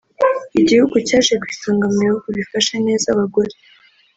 Igihugu cyaje ku isonga mu bihugu bifashe neza abagore